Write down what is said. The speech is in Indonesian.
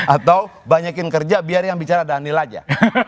atau banyakin kerja biar yang bicara daniel aja